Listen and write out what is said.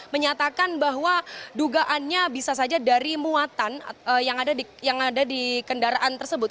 menyatakan bahwa dugaannya bisa saja dari muatan yang ada di kendaraan tersebut